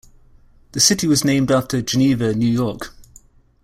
The city was named after Geneva, New York.